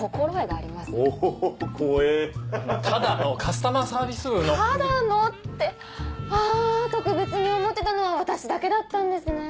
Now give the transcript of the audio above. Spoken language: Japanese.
あぁ特別に思ってたのは私だけだったんですね。